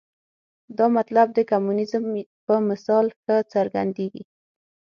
دا مطلب د کمونیزم په مثال ښه څرګندېږي.